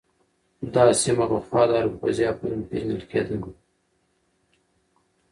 دا سیمه پخوا د اراکوزیا په نوم پېژندل کېده.